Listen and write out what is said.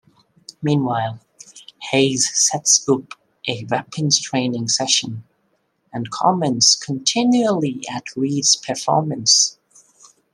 Meanwhile, Hayes sets up a weapons training session, and comments continually at Reed's performance.